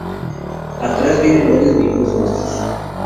Atrás vienen varios vehículos nuestros.